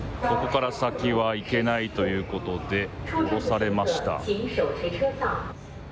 ここから先は行けないということで、降ろされました。